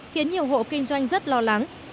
khiến nhiều hộ kinh doanh rất lo lắng